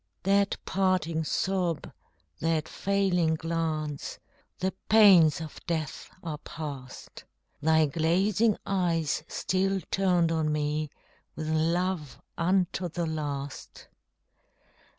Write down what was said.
That parting sob, that failing glance The pains of death are past! Thy glazing eyes still turned on me With love unto the last!